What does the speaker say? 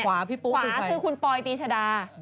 ขวาคือคุณปอยตีชดา